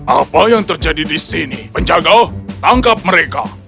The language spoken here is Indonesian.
apa yang terjadi di sini penjaga tangkap mereka